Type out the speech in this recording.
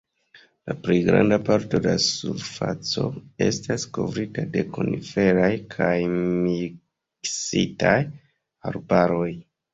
La plej granda parto de la surfaco estas kovrita de koniferaj kaj miksitaj arbaroj.